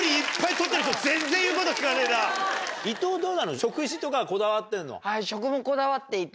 食事とかはこだわってんの？